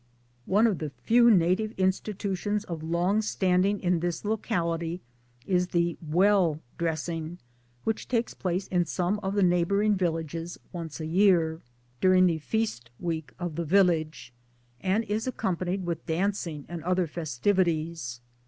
One of the few native institutions of long standing in this locality is the tWell dressing which takes place in some pf the neighboring villages once a year, 296 MY DAYS AND DREAMS during the feast week of the village, and is accom panied with dancing and other festivities.